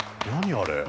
あれ。